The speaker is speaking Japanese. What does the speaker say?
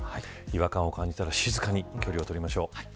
違和感を感じたら静かに距離を取りましょう。